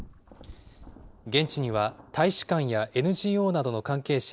現地には大使館やＮＧＯなどの関係者